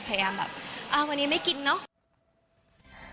พยายามแบบอ้าววันนี้ไม่กินเนอะ